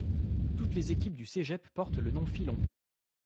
Toutes les équipes du cégep portent le nom Filons.